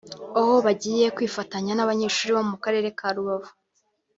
aho bagiye kwifatanya n’abanyeshuri bo mu karere ka Rubavu